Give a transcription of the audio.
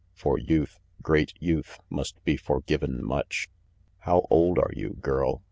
For youth, great youth, must be forgiven much. "How old are you, girl?"